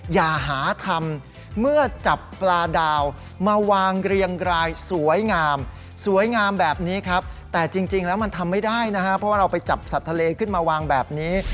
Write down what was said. อย่าหาธรรมเมื่อจับปลาดาวมาวางเรียงรายสวยงามสวยงามแบบนี้ครับ